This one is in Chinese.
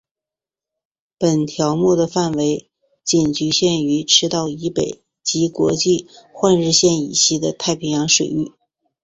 本条目的范围仅局限于赤道以北及国际换日线以西的太平洋水域。